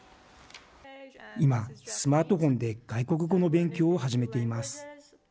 今、スマートフォンで外国語の勉強を始めています。